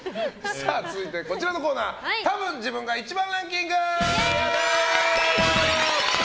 続いてはこちらのコーナーたぶん自分が１番ランキング。